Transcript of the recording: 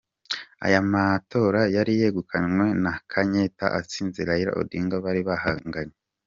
Aya matora yari yegukanywe na Kenyatta atsinze Raila Odinga bari bahanganye.